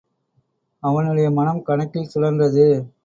அவனுடைய மனம் கணக்கில் சுழன்றது.